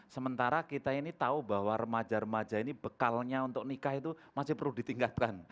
sementara kita ini tahu bahwa remaja remaja ini bekalnya untuk nikah itu masih perlu ditingkatkan